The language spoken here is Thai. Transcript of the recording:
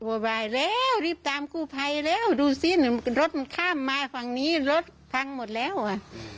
อาวาแล้วทรีย์ตามผู้ไพรแล้วดูเสียหนึ่งรถไข้มาฝั่งนี้รถพังหมดแล้วก็